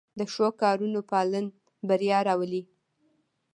د ښو کارونو پالن بریا راوړي.